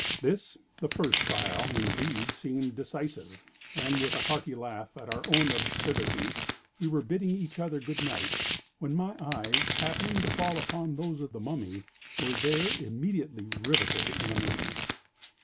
This, the first trial, indeed, seemed decisive, and, with a hearty laugh at our own absurdity, we were bidding each other good night, when my eyes, happening to fall upon those of the Mummy, were there immediately riveted in amazement.